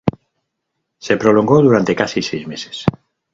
Se prolongó durante casi seis meses.